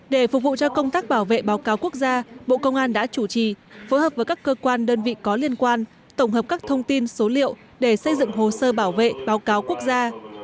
để phục vụ cho công tác bảo vệ báo cáo quốc gia bộ công an đã chủ trì phối hợp với các cơ quan đơn vị có liên quan tổng hợp các thông tin số liệu để xây dựng hồ sơ bảo vệ báo cáo quốc gia